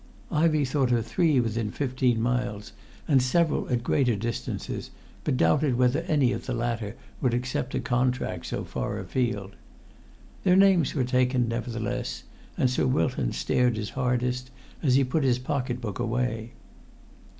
Ivey thought of three within fifteen miles, and several at greater distances, but doubted whether any of the latter would accept a contract so far afield. Their names were taken, nevertheless, and Sir Wilton stared his hardest as he put his pocket book away.